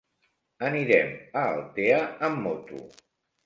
Anirem a Altea amb moto.